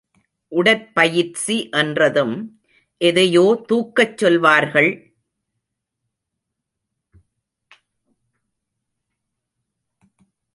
உடற்பயிற்சி என்றதும், எதையோ தூக்கச் சொல்வார்கள்.